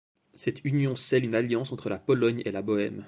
Cette union scelle une alliance entre la Pologne et la Bohême.